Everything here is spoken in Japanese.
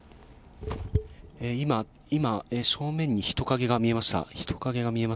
今、正面に人影が見えました。